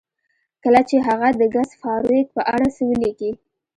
کله چې هغه د ګس فارویک په اړه څه لیکي